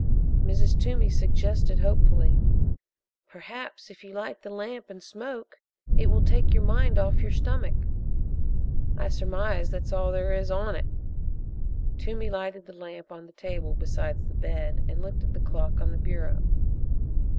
Mrs. Toomey suggested hopefully: "Perhaps if you light the lamp, and smoke, it will take your mind off your stomach." "I surmise that's all there is on it." Toomey lighted the lamp on the table beside the bed and looked at the clock on the bureau.